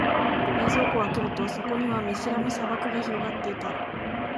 冷蔵庫を開けると、そこには見知らぬ砂漠が広がっていた。